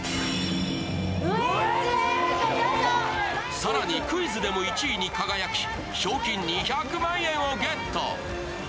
更にクイズでも１位に輝き賞金２００万円をゲット！